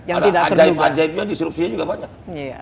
karena ajaib ajaibnya disrupsinya juga banyak